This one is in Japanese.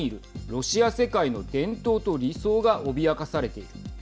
ロシア世界の伝統と理想が脅かされている。